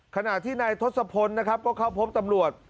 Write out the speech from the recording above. ขณะที่นายทศพลนะครับก็เข้าพบตำรวจ